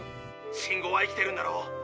信号は生きてるんだろ。